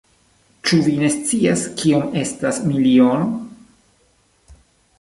Ĉu vi ne scias, kiom estas miliono?